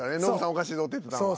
おかしいぞって言ってたんは。